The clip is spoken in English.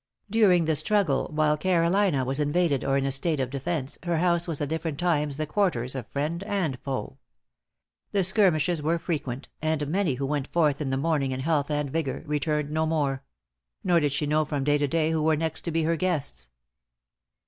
During the struggle, while Carolina was invaded or in a state of defence, her house was at different times the quarters of friend and foe. The skirmishes were frequent, and many who went forth in the morning in health and vigor, returned no more; nor did she know from day to day who were next to be her guests.